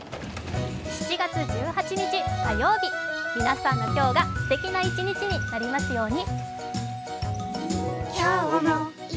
７月１８日、火曜日、皆さんの今日がすてきな一日になりますように。